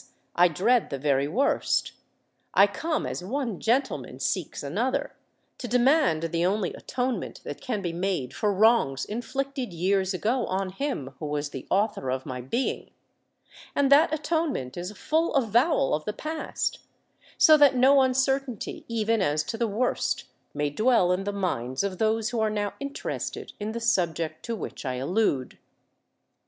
I dread the very worst:—I come as one gentleman seeks another, to demand the only atonement that can be made for wrongs inflicted years ago on him who was the author of my being;—and that atonement is a full avowal of the past, so that no uncertainty even as to the worst may dwell in the minds of those who are now interested in the subject to which I allude."